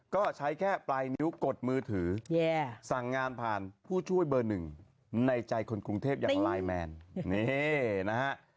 ก็ใช้แค่ปลายนิ้วกดมือถือสั่งงานผ่านผู้ช่วยเบอร์หนึ่งในใจคนกรุงเทพอย่างไลน์แมนนี่นะฮะ